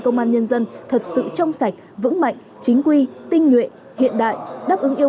cho nhân dân thật sự trong sạch vững mạnh chính quy tinh nguyện hiện đại đáp ứng yêu